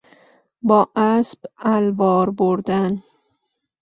با اسب الوار بردن